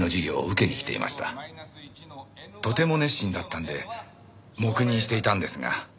とても熱心だったんで黙認していたんですが。